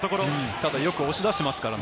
ただよく押し出していますからね。